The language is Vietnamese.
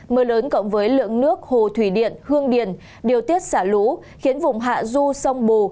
mưa lớn cộng với lượng nước hồ thủy điện hương điền điều tiết xả lũ khiến vùng hạ du sông bù